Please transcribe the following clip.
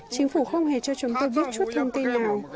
chính phủ không hề cho chúng tôi bất chút thông tin nào